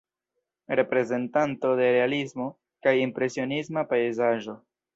Reprezentanto de realismo kaj impresionisma pejzaĝo.